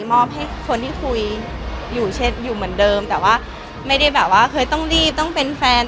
มอบให้คนที่คุยอยู่เหมือนเดิมแต่ว่าไม่ได้แบบว่าเคยต้องรีบต้องเป็นแฟน